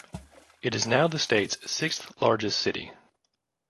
It is now the state's sixth-largest city.